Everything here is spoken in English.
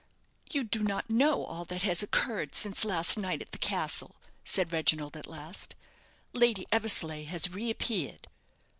"You do not know all that has occurred since last night at the castle," said Reginald, at last; "Lady Eversleigh has reappeared."